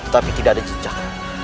tapi tidak ada jejak